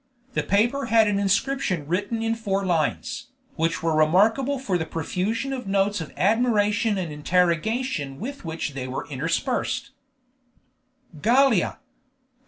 The paper had an inscription written in four lines, which were remarkable for the profusion of notes of admiration and interrogation with which they were interspersed: "Gallia???